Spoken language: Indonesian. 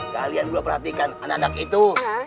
kalian juga perhatikan anak anak itu